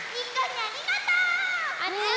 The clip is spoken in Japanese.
ありがとう！